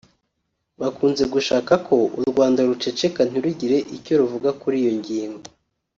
bakunze gushaka ko u Rwanda ruceceka ntirugire icyo ruvuga kuri iyo ngingo